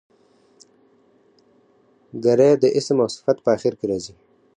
ګری د اسم او صفت په آخر کښي راځي.